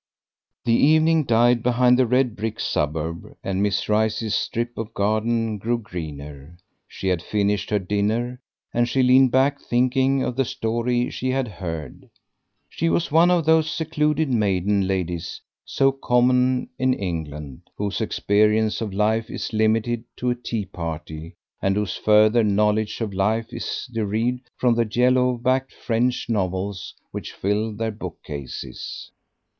The evening died behind the red brick suburb, and Miss Rice's strip of garden grew greener. She had finished her dinner, and she leaned back thinking of the story she had heard. She was one of those secluded maiden ladies so common in England, whose experience of life is limited to a tea party, and whose further knowledge of life is derived from the yellow backed French novels which fill their bookcases.